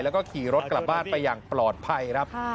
แล้วก็ขี่รถกลับบ้านไปอย่างปลอดภัยครับ